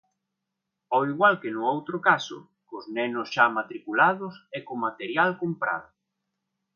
Ao igual que no outro caso, cos nenos xa matriculados e co material comprado.